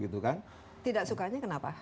tidak sukanya kenapa